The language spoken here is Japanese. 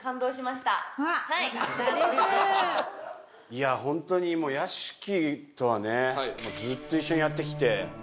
いや本当にもう屋敷とはねもうずっと一緒にやってきて。